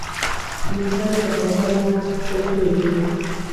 موټر له بازار نه اخېستل کېږي.